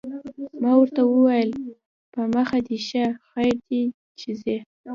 ما ورته وویل: په مخه دې ښه، خیر دی چې ځې.